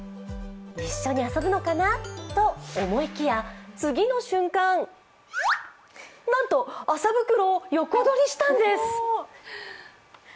一緒に遊ぶのかなと思いきや、次の瞬間なんと麻袋を横取りしたんです。